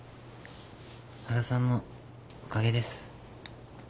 原さんのおかげです。